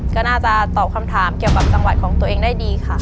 ก็น่าจะตอบคำถามเกี่ยวกับจังหวัดของตัวเองได้ดีค่ะ